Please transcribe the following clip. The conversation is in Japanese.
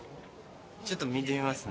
ちょっと見てみますね。